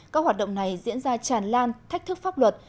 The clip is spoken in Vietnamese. các hoạt động này diễn ra tràn lan thách thức pháp luật